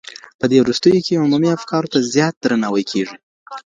په دې وروستيو کي عمومي افکارو ته زيات درناوی کېږي.